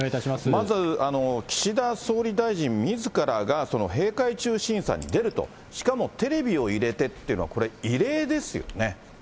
まず岸田総理大臣みずからが、閉会中審査に出ると、しかもテレビを入れてっていうのは、これ、異例ですよね。